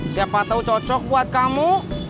siapa tahu cocok buat kamu